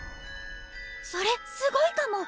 それすごいかも。